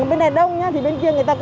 không phải năm mét ấy